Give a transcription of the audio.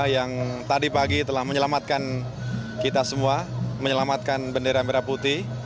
yang tadi pagi telah menyelamatkan kita semua menyelamatkan bendera merah putih